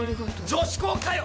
女子校かよ！